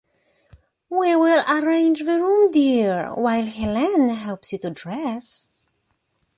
We will arrange the room, dear, while Helene helps you to dress.